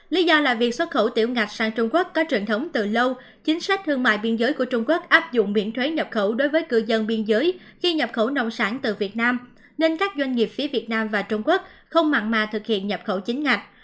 lý do là việc xuất khẩu tiểu ngạch sang trung quốc có truyền thống từ lâu chính sách thương mại biên giới của trung quốc áp dụng miễn thuế nhập khẩu đối với cư dân biên giới khi nhập khẩu nông sản từ việt nam nên các doanh nghiệp phía việt nam và trung quốc không mặn mà thực hiện nhập khẩu chính ngạch